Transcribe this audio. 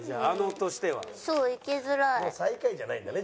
でも最下位じゃないんだね